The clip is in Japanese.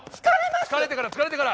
疲れてから疲れてから！